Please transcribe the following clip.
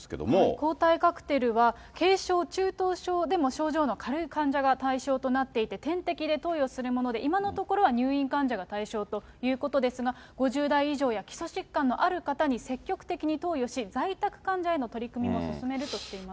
抗体カクテルは、軽症、中等症でも症状の軽い患者が対象となっていて、点滴で投与するもので、今のところは入院患者が対象ということですが、５０代以上や基礎疾患のある方に積極的に投与し、在宅患者への取り組みも進めるとしています。